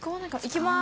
行きます。